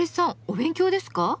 お勉強ですか？